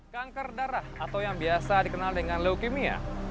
kanker darah atau yang biasa dikenal dengan leukemia